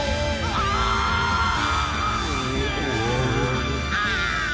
ああ